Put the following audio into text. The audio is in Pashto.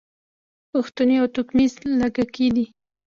پښتون يو توکميز لږکي دی.